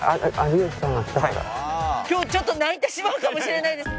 今日ちょっと泣いてしまうかもしれないです。